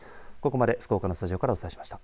ここまで福岡のスタジオからお伝えしました。